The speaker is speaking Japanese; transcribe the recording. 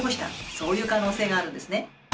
そういう可能性があるんですね。